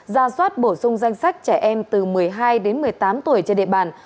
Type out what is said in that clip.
ra soát bổ sung danh sách trẻ em từ một mươi hai đến một mươi tám tuổi trên địa bàn